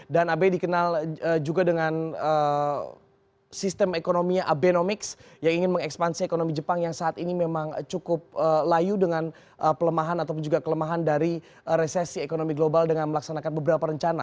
dan abe dikenal juga dengan sistem ekonominya abenomics yang ingin mengekspansi ekonomi jepang yang saat ini memang cukup layu dengan kelemahan dari resesi ekonomi global dengan melaksanakan beberapa rencana